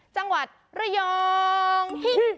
จังหวัดระยอง